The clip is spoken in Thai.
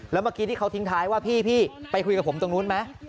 แล้วเมื่อกี้ที่เขาทิ้งท้ายว่าพี่ไปคุยกับผมตรงนู้นไหม